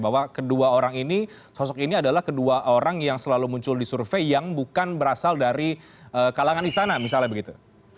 bahwa kedua orang ini sosok ini adalah kedua orang yang selalu muncul di survei yang bukan berasal dari kalangan istana misalnya begitu